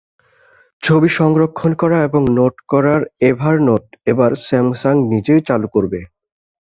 ছবি সংরক্ষণ করা এবং নোট করার এভারনোট এবার স্যামসাং নিজেই চালু করবে।